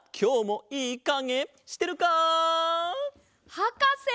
はかせ！